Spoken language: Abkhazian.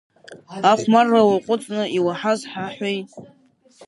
Ахәмарра уаҟәыҵны, иуаҳаз ҳаҳәеи!